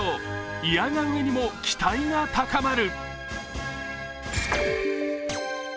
いやがうえにも期待が高まる。